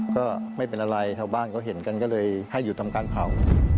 ชาวบ้านก็เห็นกันก็เลยให้หยุดทำการเผา